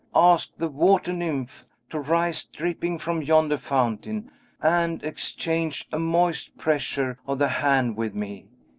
Ask the water nymph to rise dripping from yonder fountain, and exchange a moist pressure of the hand with me!